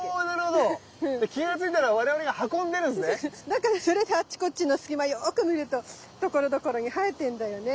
だからそれであっちこっちの隙間よく見るとところどころに生えてんだよね。